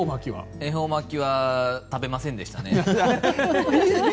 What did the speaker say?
恵方巻きは食べませんでしたね。